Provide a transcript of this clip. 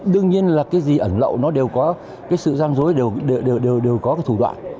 đương nhiên là cái gì ẩn lậu nó đều có cái sự gian dối đều có cái thủ đoạn